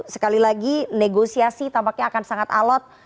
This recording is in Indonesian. sekali lagi negosiasi tampaknya akan sangat alot